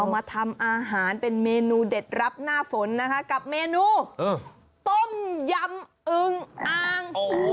มาทำอาหารเป็นเมนูเด็ดรับหน้าฝนนะคะกับเมนูต้มยำอึงอ่าง